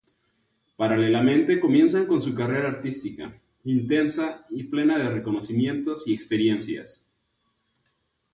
Paralelamente comienzan con su carrera artística, intensa y plena de reconocimientos y experiencias.